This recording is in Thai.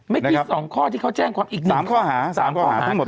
ไม่ใช่๒ข้อที่เขาแจ้งพันอีก๓ข้อหา๓ข้อหาทั้งหมด